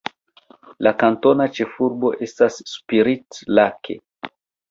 La kantona ĉefurbo estas Spirit Lake.